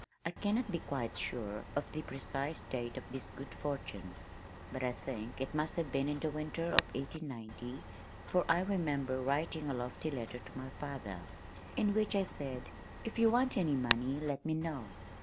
I cannot be quite sure of the precise date of this good fortune, but I think it must have been in the winter of 1890 for I remember writing a lofty letter to my father, in which I said, "If you want any money, let me know."